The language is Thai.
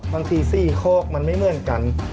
บางที๔คอกมันไม่เหมือนกัน